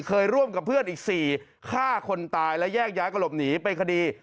เคยร่วมกับเพื่อนอีก๔ฆ่าคนตายและแยกย้ายกระหลบหนีไปคดี